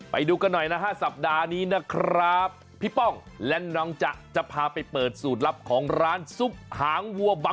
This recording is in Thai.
ไปดูกันหน่อยนะฮะสัปดาห์นี้นะครับ